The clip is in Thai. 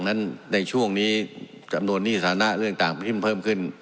นั้นในช่วงนี้สำนวนหนี้สถานะต่างพิ่มเพิ่มขึ้น